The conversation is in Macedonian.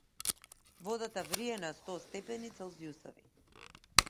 Водата врие на сто степени целзиусови.